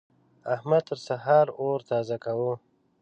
احمد تر سهار اور تازه کاوو.